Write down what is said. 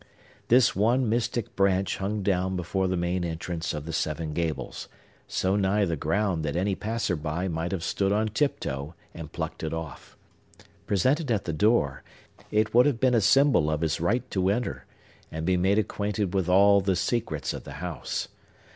This one mystic branch hung down before the main entrance of the Seven Gables, so nigh the ground that any passer by might have stood on tiptoe and plucked it off. Presented at the door, it would have been a symbol of his right to enter, and be made acquainted with all the secrets of the house.